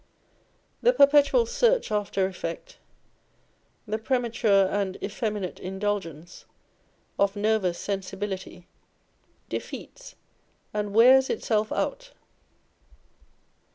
The perpetual search after effect, the premature and effeminate indulgence of nervous sensibility, defeats and wears itself out.